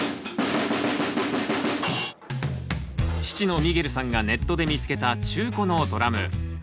父のミゲルさんがネットで見つけた中古のドラム。